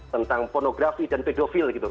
tentang pornografi dan pedofil gitu